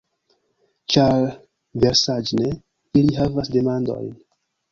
Ĉar versaĵne ili havas demandojn